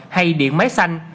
hay điện máy xanh